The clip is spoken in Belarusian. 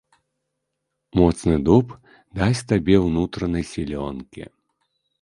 Моцны дуб дасць табе ўнутранай сілёнкі.